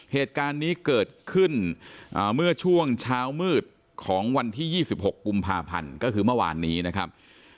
เหตุการณ์นี้เกิดขึ้นเมื่อช่วงเช้ามืดของวันที่๒๖กุมภาพันธ์ก็คือเมื่อวานนี้นะครับ